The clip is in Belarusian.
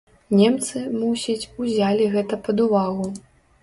Немцы, мусіць, узялі гэта пад увагу.